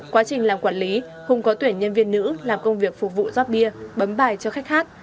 quá trình làm quản lý hùng có tuyển nhân viên nữ làm công việc phục vụ rót bia bấm bài cho khách hát